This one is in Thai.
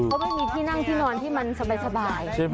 เขาไม่มีที่นั่งที่นอนที่มันสบาย